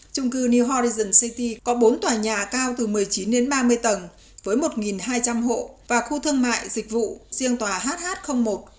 trung cư new horizons city có bốn tòa nhà cao từ một mươi chín ba mươi tầng với một hai trăm linh hộ và khu thương mại dịch vụ riêng tòa hh một cao hai mươi một tầng với hai trăm năm mươi sáu hộ dân cư